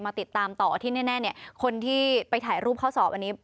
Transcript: ติดตามต่อที่แน่เนี่ยคนที่ไปถ่ายรูปเข้าสอบอันนี้